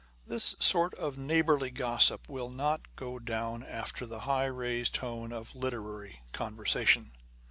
This .sort of neighbourly gossip will not go down after the high raised tone of literary con versation.